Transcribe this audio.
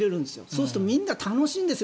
そうするとみんな楽しいんです。